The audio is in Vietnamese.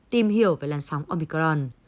tìm hiểu về làn sóng omicron